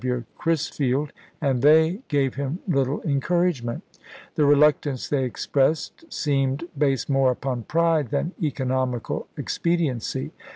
W. Crisfield, and they gave him little encourage ment. The reluctance they expressed seemed based more upon pride than economical expe diency.